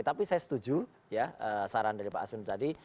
tapi saya setuju ya saran dari pak aswin tadi